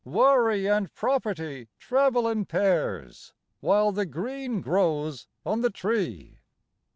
Worry and property travel in pairs, While the green grows on the tree.